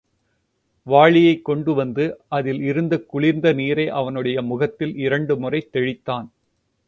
வாளியைக் கொண்டு வந்து அதில் இருந்த குளிர்ந்த நீரை அவனுடைய முகத்தில் இரண்டுமுறை தெளித்தான்.